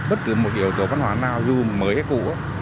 bất cứ một yếu tố văn hóa nào dù mới hay cũ